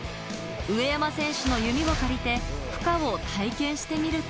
上山選手の弓を借りて負荷を体験してみると。